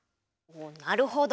なるほど！